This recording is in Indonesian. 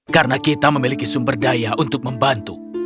karena kita memiliki sumber daya untuk membantu